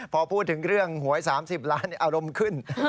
พอพูดถึงเรื่องหวย๓๐ล้านอารมณ์ขึ้น